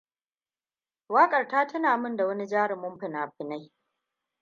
Wakar ta tuna min da wani jarumi fina-finai.